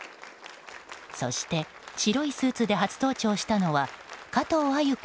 そして白いスーツで初登庁したのは加藤鮎子